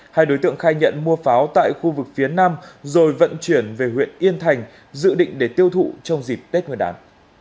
hai đối tượng khai nhận mua pháo tại khu vực phía nam rồi vận chuyển về huyện yên thành dự định để tiêu thụ trong dịp tết nguyên đán